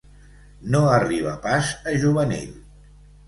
No arriba pas a juvenil.